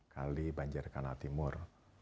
kali banjar kanal timur